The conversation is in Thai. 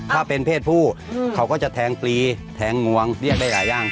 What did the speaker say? ถ้าเป็นเพศผู้เขาก็จะแทงปลีแทงงวงเรียกได้หลายอย่าง